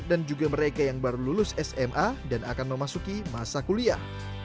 dan juga mereka yang baru lulus sma dan akan memasuki masa kuliah